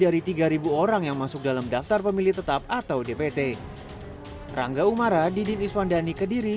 dari tiga orang yang masuk dalam daftar pemilih tetap atau dpt rangga umara didin iswandani kediri